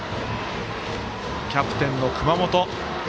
キャプテンの熊本。